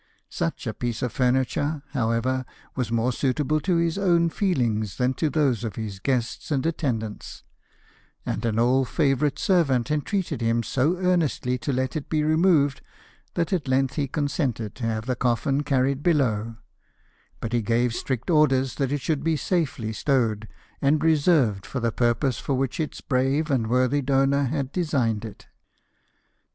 Such a piece of furniture, however, was more suitable to his own feelings than to those of his guests and attendants ; and an old favourite servant entreated him so earnestly to let it be removed that at length he consented to have the coffin carried below, but he gave strict ordel's that it should be safely stowed, and reserved for the purpose for which its brave and worthy donor had designed it.